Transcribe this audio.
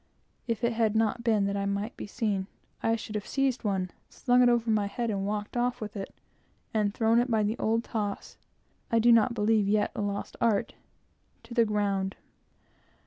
If it had not been that I might be seen, I should have seized one, slung it over my head, walked off with it, and thrown it by the old toss I do not believe yet a lost art to the ground.